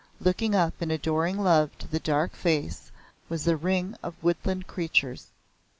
Looking up in adoring love to the dark face was a ring of woodland creatures.